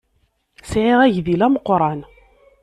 Ssɛiɣ agdil ameqran.